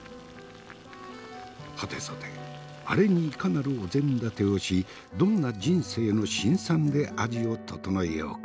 はてさてアレにいかなるお膳立てをしどんな人生の辛酸で味を調えようか。